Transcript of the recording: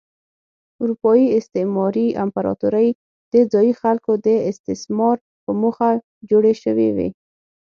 اروپايي استعماري امپراتورۍ د ځايي خلکو د استثمار په موخه جوړې شوې وې.